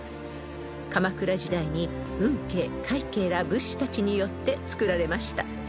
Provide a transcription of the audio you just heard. ［鎌倉時代に運慶快慶ら仏師たちによって造られました］